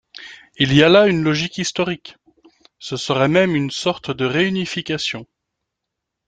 Il y a là une logique historique ; ce serait même une sorte de réunification.